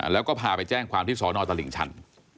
แล้วก็พาไปแจ้งความที่สอนอตลิ่งชัน